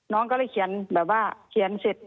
น้องก็เลยเขียนแบบว่าเขียนเสร็จ